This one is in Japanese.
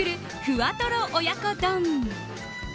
ふわトロ親子丼。